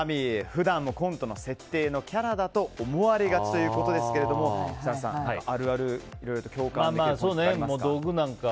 普段もコントの設定のキャラだと思われがちということですが設楽さん、あるあるいろいろと共感できるものありますか。